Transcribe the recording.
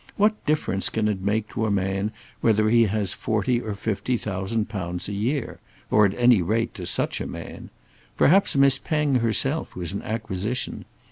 What difference can it make to a man whether he has forty or fifty thousand pounds a year, or at any rate to such a man? Perhaps Miss Penge herself was an acquisition.